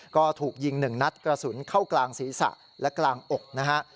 ก็ถูกยิง๑นัดกระสุนเข้ากลางศีรษะและกลางอกนะฮะ